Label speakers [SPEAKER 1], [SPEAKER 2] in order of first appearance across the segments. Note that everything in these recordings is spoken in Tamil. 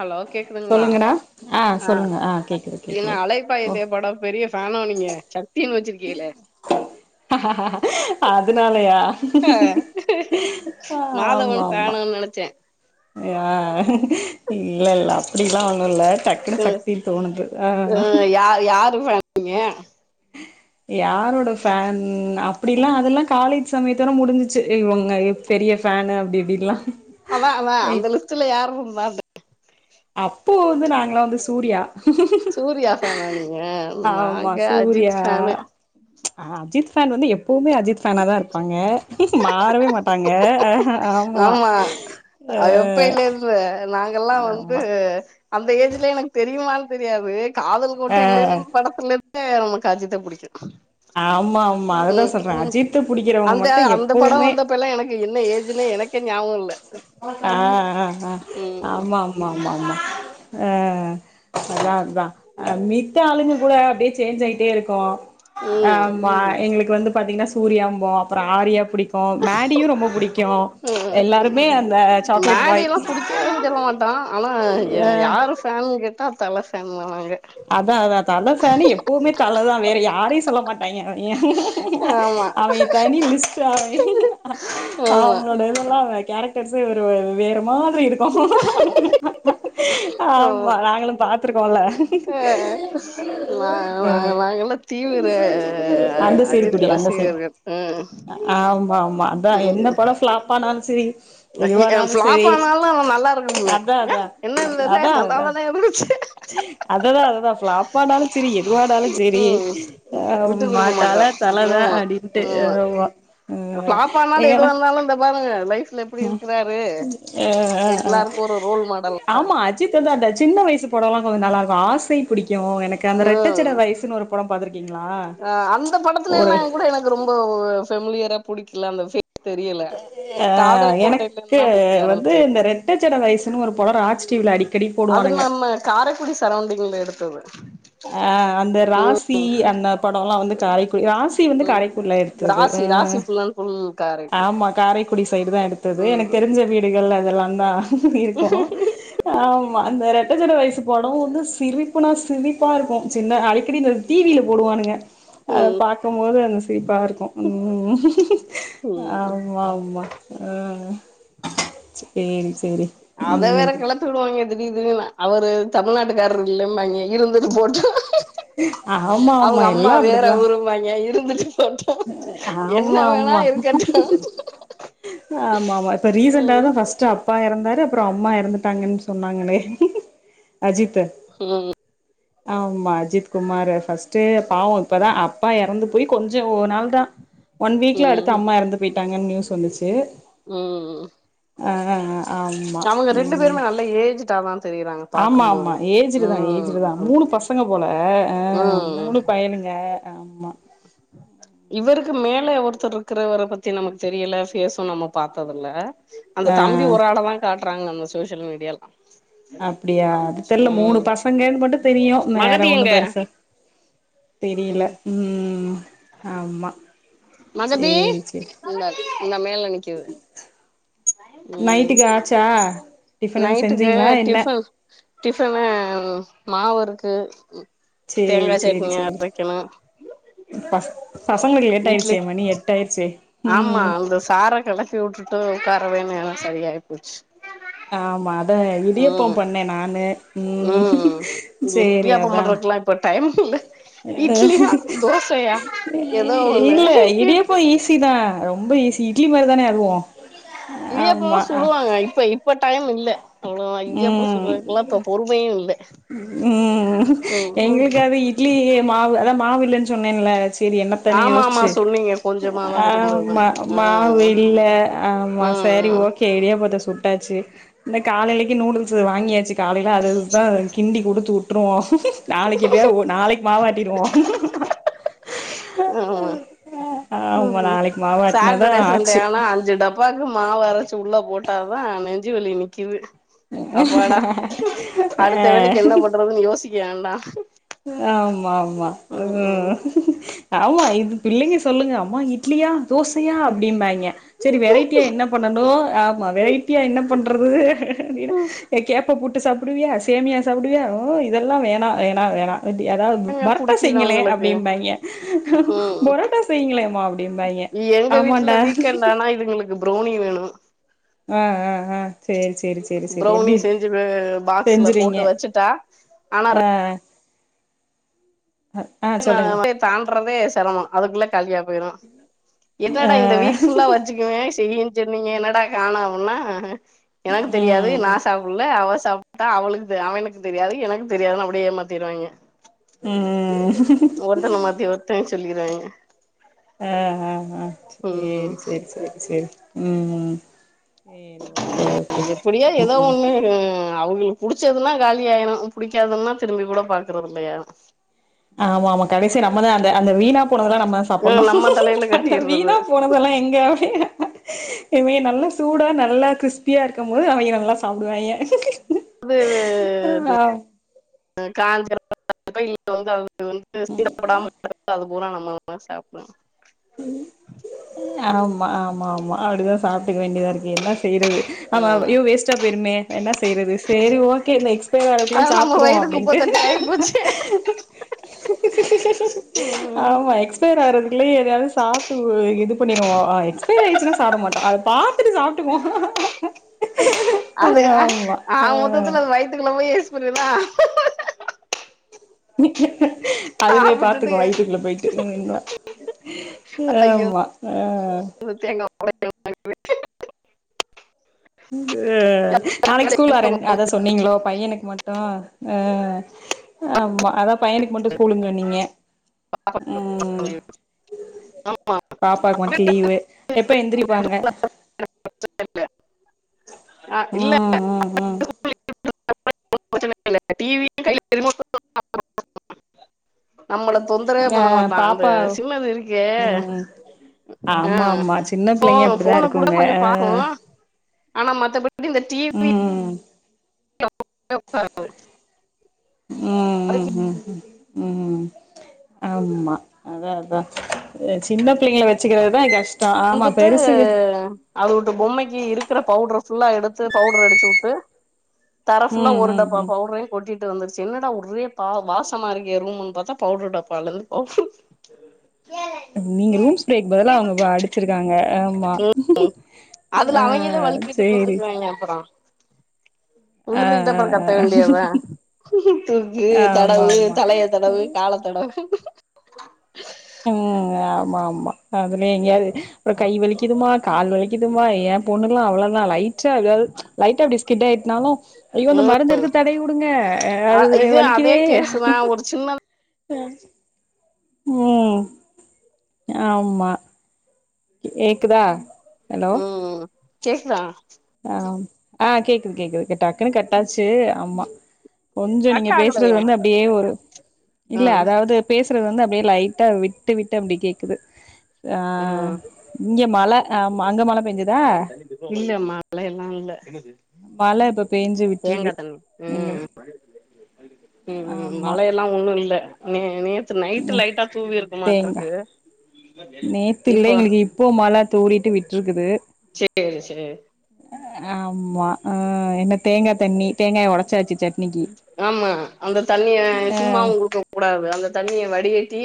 [SPEAKER 1] ஹலோ கேக்குதுங்களா
[SPEAKER 2] சொல்லுங்கடா
[SPEAKER 1] ஆ
[SPEAKER 2] சொல்லுங்க கேக்குது
[SPEAKER 1] என்ன
[SPEAKER 2] கேக்குது ஓ
[SPEAKER 1] அலைபாயுதே படம் பெரிய ஃபேனோ நீங்க சக்தின்னு வச்சிருக்கீகளே
[SPEAKER 2] அதுனால யா
[SPEAKER 1] ஆ மாதவன் ஃபேனோனு நெனைச்சே
[SPEAKER 2] யா இல்ல இல்ல அப்டில்லா ஒண்ணு இல்ல டக் னு
[SPEAKER 1] ம்
[SPEAKER 2] சக்தின்னு தோணுது ஆ
[SPEAKER 1] ம் யா யா [unintelligible]
[SPEAKER 2] யாரோட ஃபேன் அப்படிலா அதெல்லா காலேஜ் சமயத்தோட முடிஞ்சிச்சு இவுங்க எ பெரிய ஃபேனு அப்டி இப்டில்லா
[SPEAKER 1] அவ அவ அந்த லிஸ்ட்ல யார் இருந்தா
[SPEAKER 2] அப்போ வந்து நாங்களா வந்து சூர்யா
[SPEAKER 1] சூர்யா ஃபேனா நீங்க
[SPEAKER 2] ஆமா
[SPEAKER 1] நாங்க
[SPEAKER 2] சூர்யா
[SPEAKER 1] அஜித் ஃபேனு
[SPEAKER 2] ஆ அஜித் ஃபேன் வந்து எப்பவுமே அஜித் ஃபேனா தா இருப்பாங்க மாறவே மாட்டாங்க அ ஹ
[SPEAKER 1] ஆமா அவன் அப்பேல இருந் பு நாங்கல்லா வந்து
[SPEAKER 2] ஆமா
[SPEAKER 1] அந்த ஏஜ்ல எனக்கு தெரியுமானு தெரியாது காதல்
[SPEAKER 2] அ
[SPEAKER 1] கோட்டைல இருந் படத்துல இருந்தே நமக்கு அஜித்த புடிக்கு
[SPEAKER 2] ஆமா ஆமா அதுதா
[SPEAKER 1] ம்
[SPEAKER 2] சொல்ற
[SPEAKER 1] ம்
[SPEAKER 2] அஜித்து புடிக்கிறவங்க மட்டு எப்புமே
[SPEAKER 1] க்கல்லா எனக்கு என்ன ஏஜுனே எனக்கே ஞாவோல்ல
[SPEAKER 2] ஆ அஅ ஆமா ஆமா ஆமா ஆமா ஆ அதா அத்தா அ மித்த ஆளுங்க கூட அப்டே சேஞ்ச் ஆய்ட்டே இருக்கு ஆ
[SPEAKER 1] ம்
[SPEAKER 2] ஆமா எங்களுக்கு வந்து பாத்தீங்னா சூர்யாம்போ அப்பற ஆரியா புடிக் கோம் மேடியு ரொம்ப புடிக்யு
[SPEAKER 1] ம்
[SPEAKER 2] எல்லாருன்
[SPEAKER 1] மேடில்லா புடிக்காதுவு செல்ல மாட்டா ஆனா ய
[SPEAKER 2] ஆ
[SPEAKER 1] யாருஹ் பேன் கிட்டா தல ஃபேன் நநாங்க
[SPEAKER 2] அத்தா அதா தா தல ஃபேனு எப்புவ்மே தல தா வேற யாரி சொல்ல மாட் பைய ஓ எ
[SPEAKER 1] ஆமா
[SPEAKER 2] அவ ஏ தனி லிஸ்ட்டு ஆவெ
[SPEAKER 1] ஆமா
[SPEAKER 2] அவ்ங்ளோட இதெல்லா வெ கேரக்டர்ஸே ஒருவ வேற மாத்ரி இருக்கு ஆமா நாங்களு பாத்துருக்கோல
[SPEAKER 1] ஆ க்ருஸ் நா நா நாங்கல்லா தீவிரெ
[SPEAKER 2] அந்த
[SPEAKER 1] அஜித் ரசிகர்கள் உம்
[SPEAKER 2] ஆமாமா அதா என்ன படோ ஃப்ளாப் ஆனாலு சிரி
[SPEAKER 1] நஹி எம் ஃப்ளாப் ஆனாலு அவ நல்லா இருக்குமே
[SPEAKER 2] அதா அதா
[SPEAKER 1] என்னன் தெர்ல
[SPEAKER 2] அதா
[SPEAKER 1] நல்லா
[SPEAKER 2] அதா
[SPEAKER 1] தானே இருந்துச்
[SPEAKER 2] அததா அததா ஃப்ளாப் ஆனாலு சிரி எதுவானாலு ஜேரி
[SPEAKER 1] ம் விட்டு
[SPEAKER 2] ஆமா
[SPEAKER 1] குடுக்க மாட்டோ
[SPEAKER 2] தல தல தா
[SPEAKER 1] ஆமா
[SPEAKER 2] அடின்ட்டு
[SPEAKER 1] ஆமா
[SPEAKER 2] எஎ வ உவ எங்கனா
[SPEAKER 1] வாருங்க லைஃப்ல எப்டி இருக்குறாரே
[SPEAKER 2] ஆ
[SPEAKER 1] எல்லாருக்கு ஒரு ரோல் மாடல் லா
[SPEAKER 2] ச்சித்தந்தந்த சின்ன வயசு படொலா கொலு நல்லார்க்கு ஆசை புடிக்யு எனக்கு அந்த ரெட்டச்சட வயசுன் ஒருப் படம் பாத்துருக்கீங்ளா
[SPEAKER 1] ஆ அந்த படத்துல எல்லாங் கூட எனக்கு ரொம்பவ்வு ஃபெமிலியரா புடிக்ல அந்த ஃபே தெரியல
[SPEAKER 2] ஆ
[SPEAKER 1] காதல் கோட்டையிலன்னா புடிக்க ஆரம்பிச்சத்
[SPEAKER 2] ட்டச்சட வயசுன் ஒரு பரரோ ஆஜ் டிவில அடிக்
[SPEAKER 1] அதுல் நம்ம காரக்குடி சரவ்ண்டிங்ல எடுத்தது
[SPEAKER 2] அ அந்த
[SPEAKER 1] ம்
[SPEAKER 2] ராசி அந்த படோல்லா வந்து காரைக்குயி ராஸ் த்திவந்து
[SPEAKER 1] ம்
[SPEAKER 2] காரைக்குடில எடுத்தது
[SPEAKER 1] ராசி
[SPEAKER 2] ஆ
[SPEAKER 1] ராசி ஃபுல் அண்ட் ஃபுல் காரைக்குடி
[SPEAKER 2] ஆமா காரைக்குடி சைடுதா எடுத்தது எனக்
[SPEAKER 1] ம்
[SPEAKER 2] தெரிஞ்ச வீட் டிகள் அதெல்லான்தா இருக்கு ஆமா அந்த ரெட்ட ஜட வயசு படோ வந்து சிரிப்புன்னா சிரிப்பா இருக்கு சின்ன அடிக்கடிந்து டிவில போடுவானுங்க அத
[SPEAKER 1] ம்
[SPEAKER 2] பாக்கும்போது அந் சிரிப்பா இருக்கு ம் ம் ம்
[SPEAKER 1] ம்
[SPEAKER 2] ஆமா ஆமா ஆஹ ச்சேரி ச்சேரி ம்
[SPEAKER 1] துட்வாய்ங்க திடீர் திடீர்ன அவரு தமிழ்நாட்டுக்காரர் இல்லேம்பாய்ங்கே இருந்தது போட்டு
[SPEAKER 2] ஆமா ஆமா
[SPEAKER 1] அவ்ங்கம்மா
[SPEAKER 2] எல்லா
[SPEAKER 1] வேற
[SPEAKER 2] அப்டிதா
[SPEAKER 1] உரும்பாய்ங்க இருந்துட்டு போட் என்ன
[SPEAKER 2] ஆமா
[SPEAKER 1] வேணா இருக்கட்டு
[SPEAKER 2] ஆமா ஆமா ஆமா இப்ப ரீசண்ட்டா தா
[SPEAKER 1] ம்
[SPEAKER 2] ஃபஸ்ட் ஆப் ப்பா யறந்தாரு அப்றோ அம்மா யறந்துட்டாங்கன் சொன்னாங்களே அஜித்த
[SPEAKER 1] ஹும்
[SPEAKER 2] ஆமா அஜித் குமாரே ஃபர்ஸ்ட்டே பாவோ இப்பதா அப்பா யறந்து போய் கொஞ்ச் ஞ்சு ஓ நாள் தா ஒன் வீக்ல
[SPEAKER 1] ம்
[SPEAKER 2] அடுத்து அம்மா யறந்து போய்ட்டாங்கு ந்யூஸ் வந்துச்சு ஆஆஆ
[SPEAKER 1] சவுங்க ரெண்டு பேருமே நல்ல ஏஜ்டாதா தெரியிறாங்க
[SPEAKER 2] ஆமா ஆமா ஏஜ்டு தா ஏஜ்டு தா மூணு
[SPEAKER 1] ம்
[SPEAKER 2] பசங்க போல அ
[SPEAKER 1] ம்
[SPEAKER 2] மூணு பையனுங் ஆ ஆமா
[SPEAKER 1] இவருக்கு மேல ஒருத்தர் இருக்றவர பத்தி நமக் தெரியல ஃபேசு நம்ம பாத்ததல்ல
[SPEAKER 2] ஆ
[SPEAKER 1] அந்த தம்பி ஒரு ஆள தா காட்றாங்க அந்த சோசியல் மீடியால்லா
[SPEAKER 2] அப்பிடியா அது தெர்ல மூணு பசங்கன்னு மட்டுந் தெரியு வேற
[SPEAKER 1] மகதி
[SPEAKER 2] ஒண்ணு
[SPEAKER 1] எங்க
[SPEAKER 2] பெருசா தெரியல
[SPEAKER 1] ம்
[SPEAKER 2] ம் ஆமா சேரி சேரி
[SPEAKER 1] இந்தா இந்தா மேல நிக்குது ம்
[SPEAKER 2] நைட்டுக்கு ஆச்சா டிஃபன் எதுவு செஞ்சீங்களா என்ன
[SPEAKER 1] டிஃபன்னூ மாவு இருக்கு
[SPEAKER 2] சேரி
[SPEAKER 1] தேங்கா
[SPEAKER 2] சேரி
[SPEAKER 1] சட்னி
[SPEAKER 2] சேரி
[SPEAKER 1] அரைக்கணு
[SPEAKER 2] பச பசங்களுக்கு லேட்
[SPEAKER 1] இட்லி
[SPEAKER 2] ஆயிடுச்சே மணி எட்டு ஆயிடுச்சே
[SPEAKER 1] ஆமா
[SPEAKER 2] ம்
[SPEAKER 1] அந்த சாரா கடை விட்டுட்டு உக்காரவே நேரோ சரியாயி போச்சு
[SPEAKER 2] ஆமா அ இடியாப்போ
[SPEAKER 1] ம்
[SPEAKER 2] பண்ணே நானு ம்
[SPEAKER 1] ம்
[SPEAKER 2] சேரி
[SPEAKER 1] இடியாப்பம்
[SPEAKER 2] அதா
[SPEAKER 1] பண்றதுக்குலா இப்ப டைம் இல்ல
[SPEAKER 2] அ
[SPEAKER 1] இட்லியா தோசையா ஏதோ ஒண்ணு
[SPEAKER 2] இல்ல
[SPEAKER 1] கேட்டு
[SPEAKER 2] இடியப்போ ஈசி தா ரொம்ப ஈசி இட்லிமாரி தானே அதுவு
[SPEAKER 1] இடியாப்புமு
[SPEAKER 2] ஆமா
[SPEAKER 1] சுடுவாங்க இப்ப இப்ப டைம் இல்ல அவ்ளோவா இயப்போ சுடுவே
[SPEAKER 2] ம்
[SPEAKER 1] அதுக்குல்லா இப்போ பொறுமையும் இல்ல
[SPEAKER 2] ம்
[SPEAKER 1] ம் உம்
[SPEAKER 2] எங்களுக்கு அது இட்லி மாவு அதா மாவில்லன் சொன்னேன்ல செரி என்னத்தனு
[SPEAKER 1] ஆமா ஆமா
[SPEAKER 2] யோசிச்சு
[SPEAKER 1] சொன்னீங்க கொஞ்சமாதா இருந்ததுன்னு
[SPEAKER 2] ஆம்மா
[SPEAKER 1] ம்
[SPEAKER 2] மாவு இல்ல ஆமா
[SPEAKER 1] ம்
[SPEAKER 2] செரி
[SPEAKER 1] ம்
[SPEAKER 2] ஓகே இடியாப்பத்த சுட்டாச்சி இந்த காலையிலக்கு நூடுல்ஸ் வாங்கியாச்சி காலையில அததுக்குதா கிண்டி குடுத்து வுட்டுருவோ நாளைக்கு எப்டியா நாளைக்கு மாவாட்டிடுவோ
[SPEAKER 1] ஆமா ஹ்ம்
[SPEAKER 2] ஆமா
[SPEAKER 1] ஹ்ம்
[SPEAKER 2] நாளைக்கு மாவாட்னாதா
[SPEAKER 1] சாட்டர்டே சண்டே
[SPEAKER 2] ஆச்சு
[SPEAKER 1] ஆனா அஞ்சு டப் பாக்கு மாவு அரைச்சி உள்ள போட்டாதா நெஞ்சு வலி நிக்கிது அப்பாடா அடுத்த வேலைக்கு என்ன
[SPEAKER 2] ஆ
[SPEAKER 1] பண்றதுன்னு யோசிக்க வேண்டா
[SPEAKER 2] ஆமா ஆமா
[SPEAKER 1] ம் ம்
[SPEAKER 2] ஆமா இது பிள்ளைங்க சொல்லுங்க அம்மா இட்லியா தோசையா அப்டிம்பாய்ங்க சரி வெரைட்டியா என்ன பண்ணனு ஆமா வெரைட்டியா என்ன பண் றது அ கேப்ப பூட்டு சாப்புடுவியா சேமியா சாப்புடுவியா உ இதெல்லா வேணா என் ன வேணா அப்படி அதாவது
[SPEAKER 1] ஏங்க
[SPEAKER 2] பெரோட்டா
[SPEAKER 1] புடிக்குதா
[SPEAKER 2] செய்ங்களே
[SPEAKER 1] உங்களுக்கு
[SPEAKER 2] அப்டிம்பாய்ங்க
[SPEAKER 1] ம்
[SPEAKER 2] பெரோட்டா செய்ங்களேம்மா அப்டிம்பாய்ங்க
[SPEAKER 1] எங்க வீட்ல
[SPEAKER 2] ஆமாண்டா
[SPEAKER 1] வீக்கெண்ட் ஆனா இதுங்களுக்கு ப்ரௌனி வேணு
[SPEAKER 2] ஆ ஆ ஆ சேரி சேரி செரி செரி
[SPEAKER 1] ப்ரௌனி
[SPEAKER 2] எப்டி
[SPEAKER 1] செஞ்சு பாக்ஸ்ல
[SPEAKER 2] செஞ்சிறுவீங்க
[SPEAKER 1] போட்டு வச்சுட்டா ஆனா
[SPEAKER 2] ஆ ஹ ஆ
[SPEAKER 1] நா
[SPEAKER 2] சொல்லுங்க
[SPEAKER 1] தாண்றதே செரமோ அதுக்குள்ள காலியா போயிரு
[SPEAKER 2] ஆ
[SPEAKER 1] என்னடா இந்த வீக் ஃபுல்லா வச்சுக்கு வே செய்யின்னு சொன்னிங்க என்னடா காணோ அப்புன்னா எனக்கு தெரியாது நா
[SPEAKER 2] ம்
[SPEAKER 1] சாப் புள்ள அவ சாப்புட்டா அவளுக்கு அவனுக்கு தெரியாது எனக்கு தெரியாதுன்னு அப்டியே ஏமாத்திருவாய்ங்க
[SPEAKER 2] அ அ
[SPEAKER 1] ஒருத்தன மாத்தி ஒருத்த சொல்லிறாங்க
[SPEAKER 2] ஆ ஆ ஆ
[SPEAKER 1] ம்
[SPEAKER 2] சேரி சேரி செரி செரி ம் ம்
[SPEAKER 1] எப்புடியா ஏதோ ஒண்ணு அவங்களுக்கு புடிச்சதுன்னா காலியாயிறு புடிக்காதுன்னா திரும்பி கூட பாக்குறதில்ல யாரு
[SPEAKER 2] ஆமா ஆமா கடைசியா நம்மதா அந்த அந்த வீணா போனதெல்லா நம்மதா சாப்பண்ணு
[SPEAKER 1] ம் நம்ம தலையில
[SPEAKER 2] அந்த
[SPEAKER 1] கட்டிறது
[SPEAKER 2] வீணா போனதெல்லா எங்க [inaudible] இவேய்ங்க நல்லா சூடா நல்லா கிறிஸ்பியா இருக்கும் போது அவங்க நல்லா சாப்புடுவாயிங்க
[SPEAKER 1] வே வே இது அ காஞ்சி கர [unintelligible] இல் வந்தா இது வந்து [unintelligible] அது பூரா நம்ம தா சாப்புடுனு
[SPEAKER 2] ஆமா ஆமா ஆமா அப்டிதா சாப்ட்டுக்க வேண்டியதா இருக்கு என்ன செய்றது ஆமா ஐயோ வேஸ்ட்டா போயிருமே என்ன ஸ் செய்றது சேரி ஓகே இந்த எக்ஸ்பைர்
[SPEAKER 1] அது
[SPEAKER 2] அவுரதுக்குல்லேயு
[SPEAKER 1] நம்ம
[SPEAKER 2] சாப்டுருவோ
[SPEAKER 1] வயிறுக்கு குப்ப
[SPEAKER 2] அப்டின்ட்டு
[SPEAKER 1] தொட்டி ஆயி போச்சு ம்
[SPEAKER 2] ஆமா எக்ஸ்பைர் ஆறதுக்குள்ளயு எதையாவது சாப்புட்டு உ இது பண்ணிருவோ ஆ எக்ஸ்பைரி ஆயிருச்சின்னா சாப்பட மாட்டோ அத பாத்துட்டு சாப்புட்டுக்குவோ
[SPEAKER 1] அது அ
[SPEAKER 2] ஆ
[SPEAKER 1] ஆகமொத்தத்துல அது வயிற்றுக்குல்ல போய் எக்ஸ்பைரீதா
[SPEAKER 2] [unintelligible] அதுவே பாத்துக்கு
[SPEAKER 1] சாப்பிட்டுட்டு
[SPEAKER 2] வயித்துக்குள்ள போயிட்டு ம் மா ஹ
[SPEAKER 1] ஐயோ
[SPEAKER 2] அம்மா ஹ
[SPEAKER 1] தேங்கா பா [inaudible]
[SPEAKER 2] உ நாளைக்கி ஸ்கூல் அ ரெண் அத சொன்னீங்களோ பையனுக்கு மட்டு ஆ ஆமா அதா பையனுக்கு மட்டு ஸ்கூலுன்னு சொன்னீங்க ம்
[SPEAKER 1] [inaudible] ஆமா
[SPEAKER 2] பாப்பாக்கு மட்டு லீவு எப்ப எந்திரிப்பாங்க
[SPEAKER 1] அ இல்ல
[SPEAKER 2] ம் ம் ம்
[SPEAKER 1] [unintelligible] டிவியு கைல ரிமோட் நம்மள தொந்தரவே
[SPEAKER 2] ஆ
[SPEAKER 1] பண்ண மாட்டா அந்த
[SPEAKER 2] பாப்பா
[SPEAKER 1] சின்னது இருக்கே
[SPEAKER 2] ம்
[SPEAKER 1] ஆ
[SPEAKER 2] ஆமா ஆமா சின்ன
[SPEAKER 1] ஃபோ
[SPEAKER 2] பிள்ளைங்க அப்டிதா
[SPEAKER 1] ஃபோன கூட
[SPEAKER 2] இருக்குங்க
[SPEAKER 1] கொஞ்ச
[SPEAKER 2] ஆ
[SPEAKER 1] பாக்கு ஆனா மத்தபடி இந்த டிவி
[SPEAKER 2] ம்
[SPEAKER 1] [unintelligible]
[SPEAKER 2] ம் ம்
[SPEAKER 1] அதுக்கு
[SPEAKER 2] ம் ம் ம் ம் ம் ஆமா அதா அதா அது சின்ன பிள்ளைங்களை வச்சுக்கிறதுதா கஷ் டோ ஆமா பெருசுக்
[SPEAKER 1] அதுவுட்டு பொம்மைக்கு இருக்கிற பவுடர் ஃபுல்லா எடுத்து பவுடர் அடிச்சு வுட்டு தர ஃபுல்லா
[SPEAKER 2] ம்
[SPEAKER 1] ஒரு
[SPEAKER 2] ம்
[SPEAKER 1] டப்பா
[SPEAKER 2] ம்
[SPEAKER 1] பவுடைரை கொட்டிட்டு வந்துருச்சு என்னடா ஒரே பா வாசமா இருக்கே ரூம்ன்னு பாத்தா பவுடர் டப்பாலிருந்து பவுடர்
[SPEAKER 2] நீங்க ரூம் ஸ்ப்பிரே பதல்லா அவுங்க வ அடு ச்சிருக்காங்க ஆமா ஹ சேரி
[SPEAKER 1] போ அப்பறோ
[SPEAKER 2] ஆ
[SPEAKER 1] உழுந்துகிட்டு அப்பறோ கத்த
[SPEAKER 2] ஆ
[SPEAKER 1] வேண்டியவே தூக்கு
[SPEAKER 2] ஆ ஆமா
[SPEAKER 1] தடவு
[SPEAKER 2] ஆமா
[SPEAKER 1] தலைய தடவு காலத்தடவு
[SPEAKER 2] ம் ஆமா ஆமா அதுலயே எங்கேயாவது அப்பறோ கை வலிக்குதுமா கால் வலி க்குதுமா ஏன் பொண்ணுகிலா அவ்ளோதா லைட்டா ஏதாவது லைட்டா இப்டி ஸ்கிட் ஆயிட்னாலு ஐயோ அந்த
[SPEAKER 1] ம்
[SPEAKER 2] மருந்த எடுத்து தடவிவுடுங்க
[SPEAKER 1] அ
[SPEAKER 2] அது
[SPEAKER 1] இதே அதே
[SPEAKER 2] வலிக்கிதே
[SPEAKER 1] கேசு தா ஒரு சின்ன
[SPEAKER 2] அ ஹும் ஆமா கேக்குதா ஹலோ
[SPEAKER 1] ம் கேக்குதா
[SPEAKER 2] ஆம் ஆ கேக்குது கேக்குது டக்குனு கட்டாசு ஆமா கொஞ்ச
[SPEAKER 1] கட்
[SPEAKER 2] நீங்க பேசுறது
[SPEAKER 1] ஆகலையே
[SPEAKER 2] வந்து அப்டியே ஒரு இல்ல
[SPEAKER 1] ம்
[SPEAKER 2] அதாவது பேசுறது வந்து அப்டியே லைட்டா விட்டு விட்டு அப்டி கேக்குது ஆ
[SPEAKER 1] ம்
[SPEAKER 2] இங்க மழ ஆமா அங்க மழ பெஞ்சுதா
[SPEAKER 1] இல்ல மழ யெல்லா இல்ல
[SPEAKER 2] மழ இப்ப பெஞ்சி விட்டுருக்கு
[SPEAKER 1] தேங்கா தண்ணி
[SPEAKER 2] நீங்கள்
[SPEAKER 1] ம்
[SPEAKER 2] ஆமா
[SPEAKER 1] இப்பலா ஒன்னு இல்ல நே நேத்து நைட்டு
[SPEAKER 2] ம்
[SPEAKER 1] லைட்டா தூவி இருக்கு மாட்று
[SPEAKER 2] தேங்கா
[SPEAKER 1] ருக்கு
[SPEAKER 2] நேத்து இல்ல எங்களுக்கு இப்போ மழ தூரிட்டு விட்ருக்குது
[SPEAKER 1] சேரி சேரி
[SPEAKER 2] ஆமா ஆ என்ன தேங்கா தண்ணி தேங்காய ஒடச்சாச்சுச் சட்
[SPEAKER 1] ஆமா அந்த தண்ணிய
[SPEAKER 2] ஆ
[SPEAKER 1] சும்மாவு குடுக்க கூடாது அந்த தண்ணிய வடிகட்டி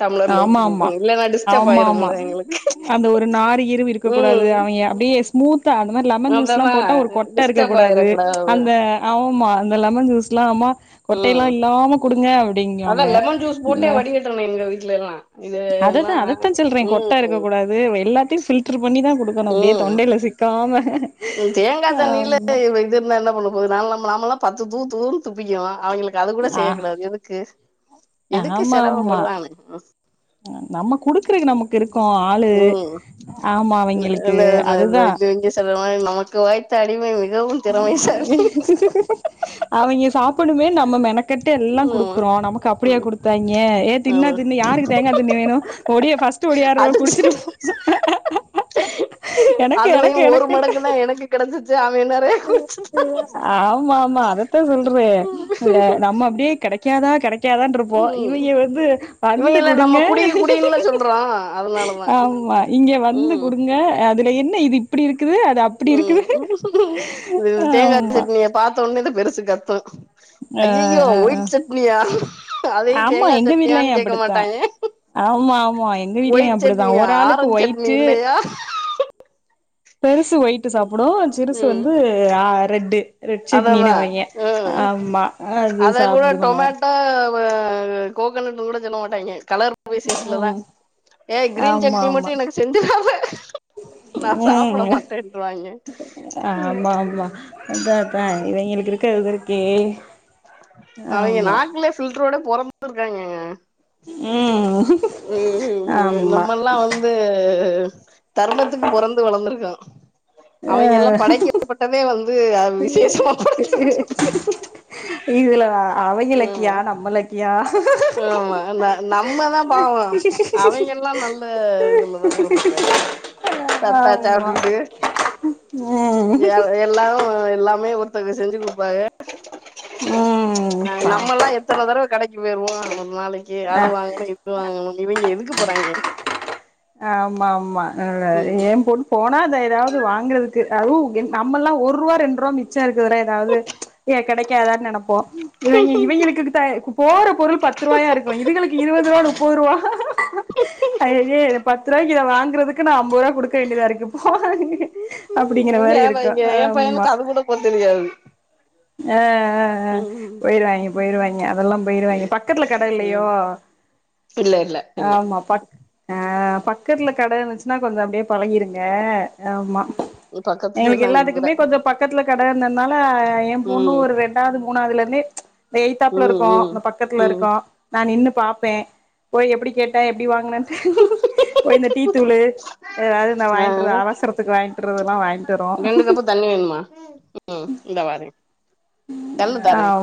[SPEAKER 1] டம்ளர்ல
[SPEAKER 2] ஆமா
[SPEAKER 1] ஊத்தி
[SPEAKER 2] ஆமா
[SPEAKER 1] குடுக்கணு இல்லன்னா டிஸ்டர்ப்
[SPEAKER 2] ஆமா ஆமா
[SPEAKER 1] ஆயிரும்ல எங்களுக்கு
[SPEAKER 2] அந்த ஒரு நாரு இருவு இருக்க கூடாது
[SPEAKER 1] ம்
[SPEAKER 2] அவங்க அப்டியே ஸ்மூத்தா அந்த மாரி லெமன் ஜூஸ் எல்லாம்
[SPEAKER 1] அததா
[SPEAKER 2] போட்டா ஒரு கொட்ட இருக்க
[SPEAKER 1] டிஸ்டர்ப்
[SPEAKER 2] கூடாது
[SPEAKER 1] ஆயிரக்
[SPEAKER 2] அந்த ஆம்மா இந்த லெமன் ஜூஸ்லா அம்மா கொட்டையெல்லா
[SPEAKER 1] ம்
[SPEAKER 2] இல்லாம குடுங்க
[SPEAKER 1] அதா
[SPEAKER 2] அப்டிங்குவாங்க
[SPEAKER 1] லெமன் ஜூஸ் போட்டே வடிகட்டனு எங்க வீட்லல்லா
[SPEAKER 2] அததா அதத்தா சொல்றே கொட்டா இருக்க கூடாது அது எல்லாத்தையு பில்டர் பண்ணிதா குடுக்கணு அப்டியே தொண்டேயில சிக்காமே
[SPEAKER 1] ம் தேங்கா தண்ணில இது இருந்தா என்ன பண்ணு போது நால நாமல்லா பத்து தூ தூன்னு துப்பிக்கிவோ அவிங்களு அது கூட
[SPEAKER 2] ஆ
[SPEAKER 1] செய்யக்கூடாது எதுக்கு எதுக்கு
[SPEAKER 2] ஆமா ஆமா
[SPEAKER 1] செரமப்படுவானே
[SPEAKER 2] நம்ம குடுக்குறக்கு நமக்கு இருக்கோ ஆளு
[SPEAKER 1] ம்
[SPEAKER 2] ஆமா அவிங்களுக்கு அதுதா
[SPEAKER 1] சொல்லுவாங்க நமக்கு வாய்த்த அடிமை மிகவும் திறமைசாலி
[SPEAKER 2] சக்கு ச அவங்க சாப்பிடனுமேனு நம்ம மெனக் கெட்டு எல்லா
[SPEAKER 1] ஆமா
[SPEAKER 2] குடுக்குறோ நமக்கு அப்டியா
[SPEAKER 1] ம்
[SPEAKER 2] குடுத்தாங்கே ஏ தின்னா
[SPEAKER 1] ஆமா
[SPEAKER 2] தின்னு யாருக்கு தேங்கா தண்ணி வேணு ஒடியா ஃபர்ஸ் ட் ஒடியார்ரவுக
[SPEAKER 1] அடிச்சு
[SPEAKER 2] குடிச்சிட்டு போ எனக்கு
[SPEAKER 1] அதுலயு
[SPEAKER 2] எனக்கு
[SPEAKER 1] ஒரு
[SPEAKER 2] எனக்குன்ட்டு
[SPEAKER 1] மடக்கு தா எனக்கு கெடச்சிச்சி அவ நெறையா
[SPEAKER 2] ஆமா ஆமா அதத்தா சொல்றே நம்ம அப்டியே கெடை க்காதா கெடைக்காதாருப் போ
[SPEAKER 1] ம்
[SPEAKER 2] இவங்க வந்து வந்து
[SPEAKER 1] இவங்கெல்லா நம்ம
[SPEAKER 2] குடுங்க
[SPEAKER 1] குடி குடின்னுல சொல்றோ அதனாலதா
[SPEAKER 2] ஆமா இங்க வந்து
[SPEAKER 1] ம்
[SPEAKER 2] குடுங்க அதுல என்ன இது இப்படி இருக்குது அது அப்
[SPEAKER 1] ம்
[SPEAKER 2] ஆமா
[SPEAKER 1] தேங்காசட்னிய பாத்தோன இந்த பெருசு கத்து
[SPEAKER 2] ஆ
[SPEAKER 1] ஐயோயோ
[SPEAKER 2] ஆ ஆ
[SPEAKER 1] ஒயிட் சட்னியா அதயு
[SPEAKER 2] ஆமா
[SPEAKER 1] தேங்கா
[SPEAKER 2] எங்க
[SPEAKER 1] சட்னியான்
[SPEAKER 2] வீட்லயு
[SPEAKER 1] கேகாக
[SPEAKER 2] அப்டித்தா
[SPEAKER 1] மாட்டாங்க
[SPEAKER 2] ஆமா ஆமா எங்க வீட்லயு
[SPEAKER 1] ஒயிட்
[SPEAKER 2] அப்டிதா
[SPEAKER 1] சட்னியா
[SPEAKER 2] ஒரு ஆளுக்கு
[SPEAKER 1] ஆரஞ்ச் சட்னி
[SPEAKER 2] ஒயிட்டு
[SPEAKER 1] இல்லயா
[SPEAKER 2] பெருசு ஒயிட் சாப்புடு சிறுசு
[SPEAKER 1] ம்
[SPEAKER 2] வந்து ஆ ரெட் ரெட்
[SPEAKER 1] அததா
[SPEAKER 2] சட்னினு வயிங்க
[SPEAKER 1] ம்
[SPEAKER 2] ஆமா அது சாப்புடு நா
[SPEAKER 1] ஆ கோகனட்னு கூட சொல்ல மாட்டாங்க கலர் பேசிஸ்ல தா
[SPEAKER 2] ம்
[SPEAKER 1] ஏ கிரீன்
[SPEAKER 2] ஆமா
[SPEAKER 1] சட்னி
[SPEAKER 2] ஆமா
[SPEAKER 1] மட்டு எனக்கு செஞ்சிறாத நா சாப்பிட
[SPEAKER 2] ம்
[SPEAKER 1] மாட்டேனுவாங்கே
[SPEAKER 2] ஆமா ஆமா அதா அதா இவங்களுக்கு இருக்க இது இருக்கே
[SPEAKER 1] அவங்க
[SPEAKER 2] ஆமா
[SPEAKER 1] நாக்கலே ஃபில்டரோட பொறந்திருக்காங்கங்க
[SPEAKER 2] ம்
[SPEAKER 1] ம் ம்
[SPEAKER 2] ஆமா
[SPEAKER 1] நம்ம எல்லா வந் து தர்மத்துக்கு பொறந்து வளந்திருக்கோ அவங்க எல்லா
[SPEAKER 2] அ
[SPEAKER 1] படைக்கப்பட்டதே வந்து விசேஷமா படைக்கபட்டு இருக்காங்க
[SPEAKER 2] இதுல அவைங்க லக்கியா நம்ம லக்கியா
[SPEAKER 1] ஆமா நம்மதா பாவம் அவங்கல்லாம் நல் ல இதுலதா பொறந்திருக்காங்க சத்தா
[SPEAKER 2] ஆமா
[SPEAKER 1] சாப்ட்டுக்கிட்டு
[SPEAKER 2] ம்
[SPEAKER 1] எல் எல்லா எல்லாமே ஒருத்தக செஞ்சு குடுப்பாக
[SPEAKER 2] ம் பா
[SPEAKER 1] நம்மல்லா எத்தன தடவ கடைக்கு போய்ருவோ ஒரு நாளைக்கு
[SPEAKER 2] ஆ
[SPEAKER 1] அது வாங்கணு இது வாங்கனு இவங்க எதுக்கு போறாங்க
[SPEAKER 2] ஆமா ஆமா
[SPEAKER 1] ம்
[SPEAKER 2] எ பொன் போனா அ எதாவது வாங்குறதுக்கு அதுவு நம்மல்லா ஒர் ரூவா ரெண் ரூவா மிச் மிச்சோ இருக்குறதுல ஏதாவது கெடக்காதான்னு நெனப்போ இவங்கே இவங்கேளுக்குதூ போற பொருள் பத்து ரூபாயா ருக்கு இதுகளுக்கு இருவது ரூபா முப்பது ரூபா ஐய் யயே இத வாங்கறதுக்கு நா அம்பது ரூபா குடுக்க வேண்டியதாருக்கு அப்டிங்குற
[SPEAKER 1] இங்க
[SPEAKER 2] மாரி ருக்கும்
[SPEAKER 1] இங்க எ
[SPEAKER 2] ஆமா.
[SPEAKER 1] பையனுக்கு அது கூட போ தெரியாது
[SPEAKER 2] ஆ ஆ
[SPEAKER 1] ம்
[SPEAKER 2] போயிருவாங்கே போயிருவாங்கே அதெல்லா போயிருவாங்கே பக்கத்துல கட இல்லையோ
[SPEAKER 1] ம் இல்ல இல்ல இல்ல
[SPEAKER 2] ஆமா பக் ஆஹ் பக்கத்துல கடையிருந்துச்சுன்னா கொஞ்சோ அப்படியே பழகிருங்க ஆமா எங்களுக்கு
[SPEAKER 1] பக்கத்துலல்லா இல்ல
[SPEAKER 2] எல்லாத்துக்குமே கொஞ்சோ பக்கத்துல கட இருந்தனால ஏ
[SPEAKER 1] ம்
[SPEAKER 2] காது மூணாவதுல ருந்தே எய்தாப்ல
[SPEAKER 1] ம்
[SPEAKER 2] இருக்கோ
[SPEAKER 1] ம்
[SPEAKER 2] இந்த பக்கத்துல
[SPEAKER 1] ம்
[SPEAKER 2] இருக்கோ நா நின்னு பாப்பே போய் எப்டி கேட்ட எப்டி வாங்குனேன்ட்டு போய் இந்த டீத்தூள் ஏதாவது நா
[SPEAKER 1] ஆ
[SPEAKER 2] வாங்கிட்டுருவே அவசரத்துக்கு வாங்கிட்டுறதெல்லாம் வாங்கிட்டு
[SPEAKER 1] ரெண்டு
[SPEAKER 2] வருவோ
[SPEAKER 1] கப்பு தண்ணி வேணுமா உம் ம் இந்த வாரே தள்ளு
[SPEAKER 2] ஆ
[SPEAKER 1] தாரே